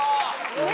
え！